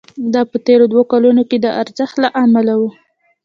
دا په تېرو دوو کلونو کې د ارزښت له امله وو